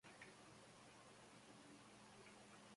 El pastor principal de esta iglesia es Toby Jr..